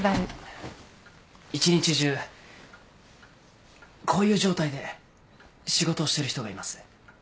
一日中こういう状態で仕事をしてる人がいます。